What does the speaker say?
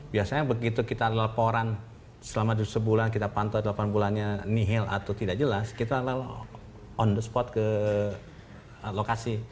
biasanya begitu kita ada laporan selama sebulan kita pantau delapan bulannya nihil atau tidak jelas kita on the spot ke lokasi